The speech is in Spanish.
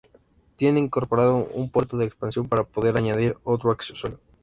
Tiene incorporado un puerto de expansión para poder añadir otro accesorio.